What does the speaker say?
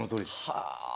はあ！